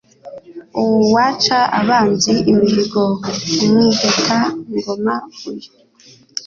Uwaca abanzi imihigo Mwiheta-ngoma uyu.